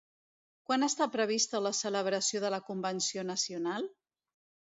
Quan està prevista la celebració de la convenció nacional?